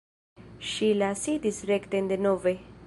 Ŝila sidis rekten denove.